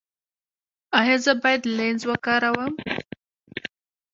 ایا زه باید لینز وکاروم؟